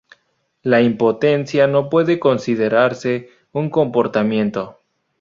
La impotencia no puede considerarse un comportamiento.